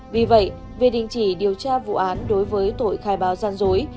vì vậy việc định chỉ điều tra vụ án đối với tội khai báo gian dối